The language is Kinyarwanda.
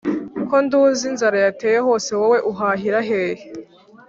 ko nduzi inzara yateye hose, wowe uhahira hehe